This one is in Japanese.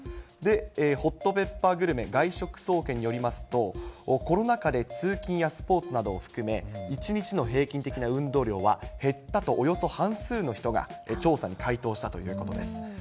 で、ホットペッパーグルメ外食総研によりますと、コロナ禍で通勤やスポーツなどを含め、１日の平均的な運動量は減ったとおよそ半数の人が調査に回答したということです。